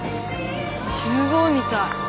中坊みたい。